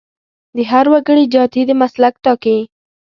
د هر وګړي جاتي د مسلک ټاکي.